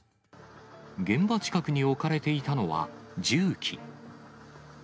現場近くに置かれていたのは、重機。